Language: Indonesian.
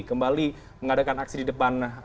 kembali mengadakan aksi di depan